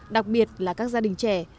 đặc biệt là các gia đình trẻ